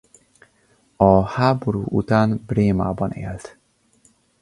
A háború után Brémában élt.